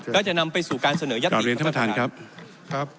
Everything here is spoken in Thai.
ก็จะนำไปสู่การเสนอยักษ์อีกครับ